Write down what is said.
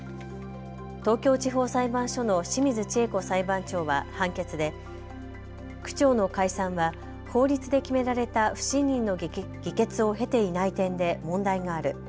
東京地方裁判所の清水知恵子裁判長は判決で区長の解散は法律で決められた不信任の議決を経ていない点で問題がある。